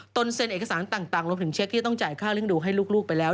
เซ็นเอกสารต่างรวมถึงเช็คที่จะต้องจ่ายค่าเลี้ยงดูให้ลูกไปแล้ว